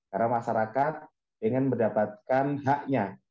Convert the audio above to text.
karena masyarakat ingin mendapatkan haknya